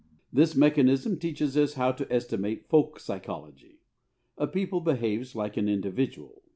_ This mechanism teaches us how to estimate folk psychology. A people behaves like an individual.